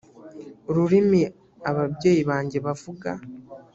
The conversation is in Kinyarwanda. ururimi ababyeyi banjye bavuga